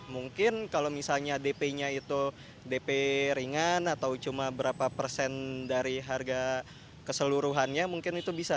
mungkin kalau misalnya dp nya itu dp ringan atau cuma berapa persen dari harga keseluruhannya mungkin itu bisa